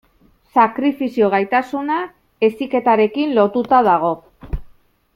Sakrifizio gaitasuna heziketarekin lotuta dago.